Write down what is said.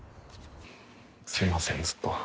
すいませんずっと。